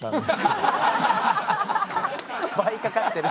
倍かかってる。